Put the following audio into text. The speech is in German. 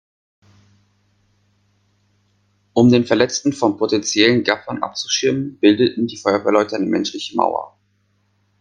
Um den Verletzten von potenziellen Gaffern abzuschirmen, bildeten die Feuerwehrleute eine menschliche Mauer.